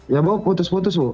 ya bu putus putus bu